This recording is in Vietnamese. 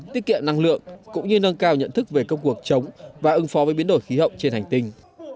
tiết kiệm năng lượng cũng như nâng cao nhận thức về công cuộc chống và ứng phó với biến đổi khí hậu trên hành tinh